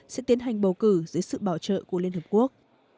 sẽ tiến hành bầu cử dưới sự bảo trợ của liên hợp quốc